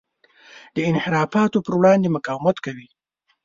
د انحرافاتو پر وړاندې مقاومت کوي.